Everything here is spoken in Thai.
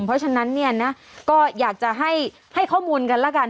เพราะฉะนั้นเนี่ยนะก็อยากจะให้ข้อมูลกันแล้วกัน